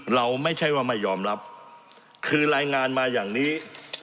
เราไม่ใช่ว่าไม่ยอมรับคือรายงานมาอย่างนี้